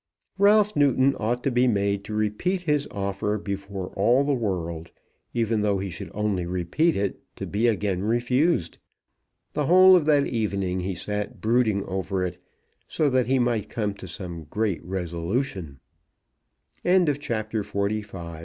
Ralph Newton ought to be made to repeat his offer before all the world; even though he should only repeat it to be again refused. The whole of that evening he sat brooding over it, so that he might come to some great resolution. CHAPTER XLVI. MR. NEEFIT AGAIN.